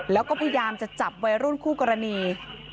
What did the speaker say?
แล้วก็พยายามจะจับวัยรุ่นคู่กรณี